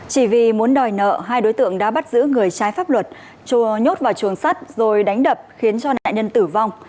chỉ vì muốn đòi nợ hai đối tượng đã bắt giữ người trái pháp luật chùa nhốt vào chuồng sắt rồi đánh đập khiến cho nạn nhân tử vong